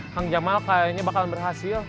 kang jamal kayaknya bakal berhasil